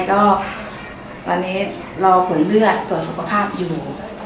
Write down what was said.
ก็ตอนนี้รอผลเลือดตรวจสุขภาพอยู่